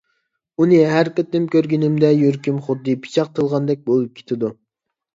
ئۇنى ھەر قېتىم كۆرگىنىمدە يۈرىكىم خۇددى پىچاق تىلغاندەك بولۇپ كېتىدۇ.